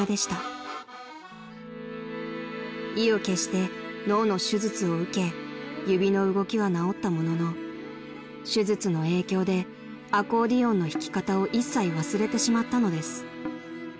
［意を決して脳の手術を受け指の動きは治ったものの手術の影響でアコーディオンの弾き方を一切忘れてしまったのです］